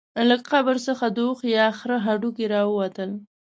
له قبر څخه د اوښ یا خره هډوکي راووتل.